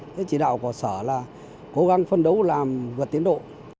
thế chỉ đạo của sở là cố gắng phấn đấu làm vượt tiến độ